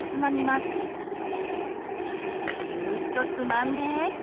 ギューッとつまんで。